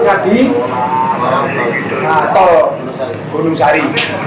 tol gunung sari